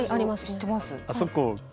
知ってます。